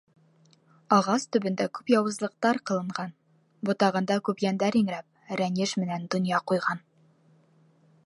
Ағас төбөндә күп яуызлыҡтар ҡылынған, ботағында күп йәндәр иңрәп, рәнйеш менән донъя ҡуйған.